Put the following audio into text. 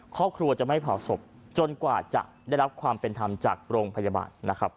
ครอบครัวจะไม่เผาศพจนกว่าจะได้รับความเป็นธรรมจากโรงพยาบาลนะครับ